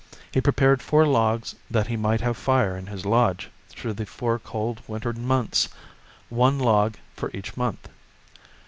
He prepared four logs that he might have fire in his lodge through the four cold winter months one log for each month.